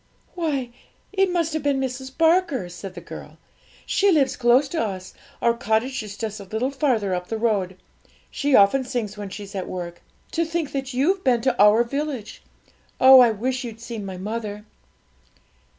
'Why, it must have been Mrs Barker!' said the girl. 'She lives close to us; our cottage is just a little farther up the road. She often sings when she's at work. To think that you've been to our village! Oh, I wish you'd seen my mother!'